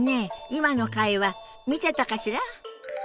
今の会話見てたかしら？